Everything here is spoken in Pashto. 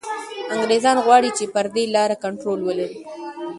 انګریزان غواړي چي پر دې لاره کنټرول ولري.